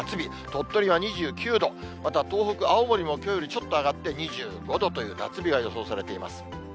鳥取が２９度、また東北、青森もきょうよりちょっと上がって２５度という夏日が予想されています。